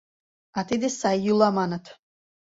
А тиде сай йӱла, маныт.